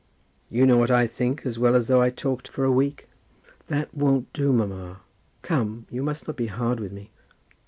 "You know what I think as well as though I talked for a week." "That won't do, mamma. Come, you must not be hard with me."